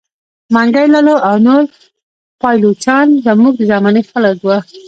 منګی لالو او نور پایلوچان زموږ د زمانې خلک وه.